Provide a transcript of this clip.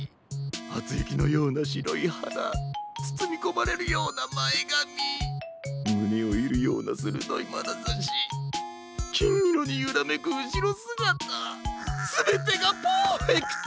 はつゆきのようなしろいはだつつみこまれるようなまえがみむねをいるようなするどいまなざしきんいろにゆらめくうしろすがたすべてがパーフェクト！